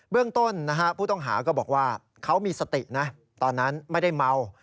เรื่องต้นผู้ต้องหาก็บอกว่าเขามีสตินะตอนนั้นไม่ได้เมา